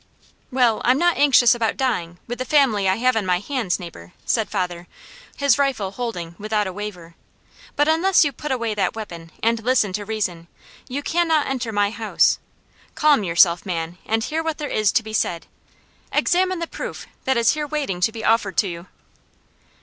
"Well, I'm not anxious about dying, with the family I have on my hands, neighbour," said father, his rifle holding without a waver, "but unless you put away that weapon, and listen to reason, you cannot enter my house. Calm yourself, man, and hear what there is to be said! Examine the proof, that is here waiting to be offered to you."